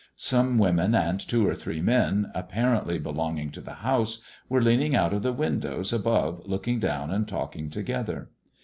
Some women and two or three men, apparently belonging to the house, were leaning out of the windows above looking down and talking together.